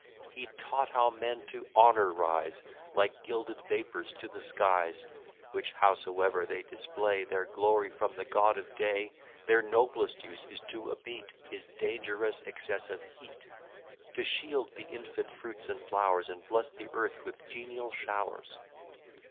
He taught how men to honour rise, Like gilded vapours to the skies, Which, howsoever they display Their glory from the god of day, Their noblest use is to abate His dangerous excess of heat, To shield the infant fruits and flowers, And bless the earth with genial showers.